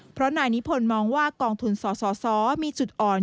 เพราะนายนิพนธ์มองว่ากองทุนสสมีจุดอ่อน